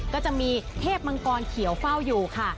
ก็จะมีเทพมังกรเขียวเฝ้าอยู่ค่ะ